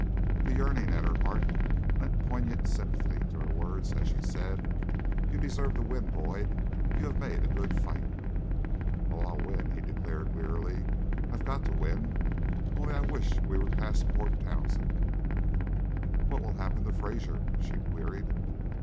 The yearning at her heart lent poignant sympathy to her words, as she said: "You deserve to win, Boyd; you have made a good fight." "Oh, I'll win!" he declared, wearily. "I've got to win; only I wish we were past Port Townsend." "What will happen to Fraser?" she queried.